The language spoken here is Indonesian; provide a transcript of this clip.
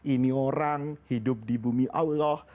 ini orang hidup di bumi allah